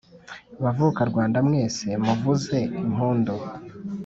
Bavukarwanda mwese muvuze impundu,